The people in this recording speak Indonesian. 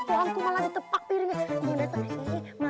banget banget ya